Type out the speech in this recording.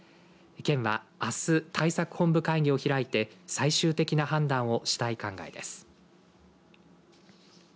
県はあす、対策本部会議を開いて最終的な判断をしたい考えです。